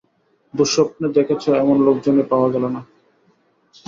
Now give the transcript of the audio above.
দুঃস্বপ্ন দেখছে এমন লোকজনই পাওয়া গেল না।